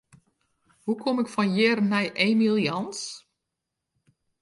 Hoe kom ik fan hjir nei Emiel Jans?